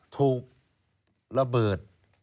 ถูกระเบิด